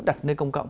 đặt nơi công cộng